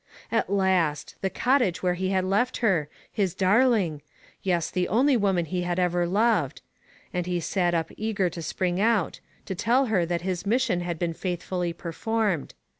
At last ! The cottage where he had left her — his darling — yes, the only woman he had ever loved ; and he sat up eager to spring out — to tell her that his mission had been faithfully per formed.